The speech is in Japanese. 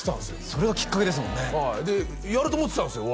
それがきっかけですもんねやると思ってたんですよ